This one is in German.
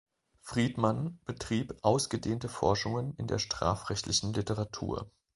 Friedmann betrieb ausgedehnte Forschungen in der strafrechtlichen Literatur.